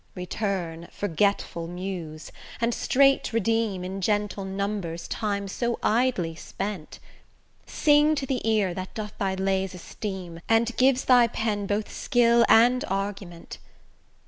Return forgetful Muse, and straight redeem, In gentle numbers time so idly spent; Sing to the ear that doth thy lays esteem And gives thy pen both skill and argument.